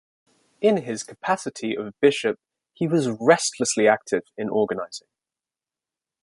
In his capacity of bishop he was restlessly active in organising.